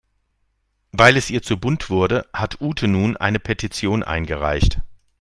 Weil es ihr zu bunt wurde, hat Ute nun eine Petition eingereicht.